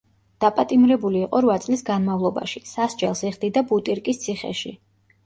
დაპატიმრებული იყო რვა წლის განმავლობაში, სასჯელს იხდიდა ბუტირკის ციხეში.